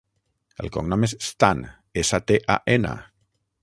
El cognom és Stan: essa, te, a, ena.